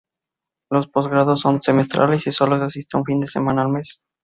Los posgrados son semestrales, y sólo se asiste un fin de semana al mes.